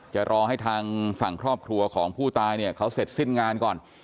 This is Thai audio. จะรอให้ทางฝั่งครอบครัวของผู้ตายเนี่ยเขาเสร็จสิ้นงานก่อน